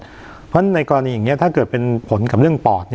เพราะฉะนั้นในกรณีอย่างนี้ถ้าเกิดเป็นผลกับเรื่องปอด